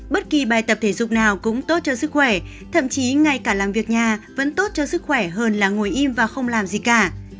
bất kỳ bài tập thể dục nào cũng tốt cho sức khỏe thậm chí ngay cả làm việc nhà vẫn tốt cho sức khỏe hơn là ngồi im và không làm gì cả